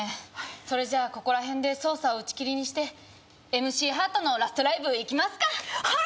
それじゃあここらへんで捜査を打ち切りにしてＭＣハートのラストライブ行きますかはい！